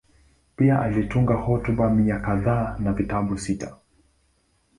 Pia alitunga hotuba mia kadhaa na vitabu sita.